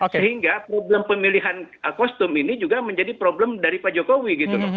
sehingga problem pemilihan kostum ini juga menjadi problem dari pak jokowi gitu loh